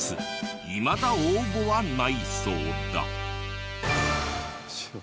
いまだ応募はないそうだ。